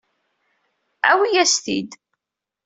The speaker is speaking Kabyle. Awi-as-t-id.